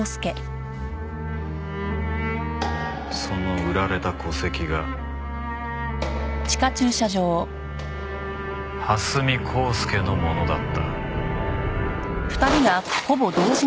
その売られた戸籍が蓮見光輔のものだった。